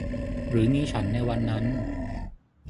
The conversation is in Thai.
หรือมีฉันในวันนั้น